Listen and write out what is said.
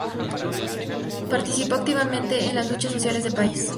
Participó activamente en las luchas sociales del país.